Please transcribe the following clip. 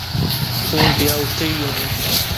ہن بیاۃ اوتھیں ایہہ ہونے